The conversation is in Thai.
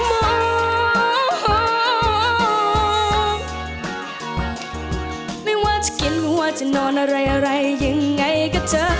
ไม่ว่าจะกินไม่ว่าจะนอนอะไรอะไรยังไงก็เธอ